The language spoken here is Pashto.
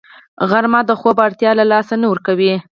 غرمه د خوب اړتیا له لاسه نه ورکوي